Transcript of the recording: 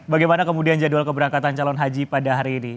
bagaimana kemudian jadwal keberangkatan calon haji pada hari ini